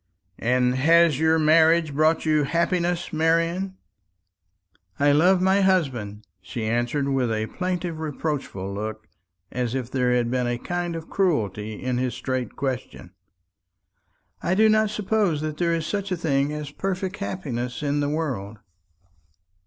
"And has your marriage brought you happiness, Marian?" "I love my husband," she answered with a plaintive reproachful look, as if there had been a kind of cruelty in his straight question. "I do not suppose that there is such a thing as perfect happiness in the world."